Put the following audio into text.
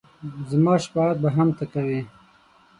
زما شفاعت به هم ته کوې !